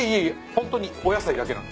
ホントにお野菜だけなんです。